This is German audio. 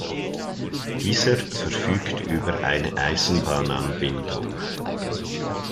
Dieser verfügt über eine Eisenbahnanbindung.